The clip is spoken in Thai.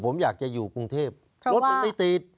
ผมอยากจะอยู่กรุงเทพฯเพราะว่ารถมันไม่ติด